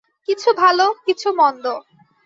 কিছু ভাল, কিছু মন্দ।